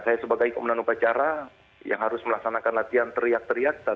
saya sebagai komandan upacara yang harus melaksanakan latihan teriak teriak